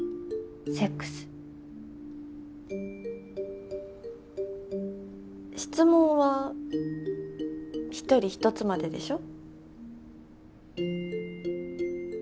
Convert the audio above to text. セックス質問は１人一つまででしょ？